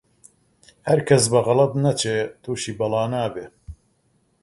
هەرکەس بە غەڵەت نەچی، تووشی بەڵا نابێ